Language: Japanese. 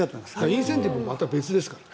インセンティブもまた別ですから。